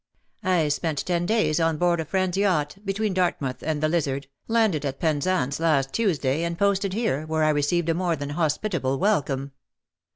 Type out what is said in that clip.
I spent ten days on board a friend's yacht, between Dartmouth and the Lizard, landed at Penzance last Tuesday, and posted here, where I received a more than hospit able welcome.'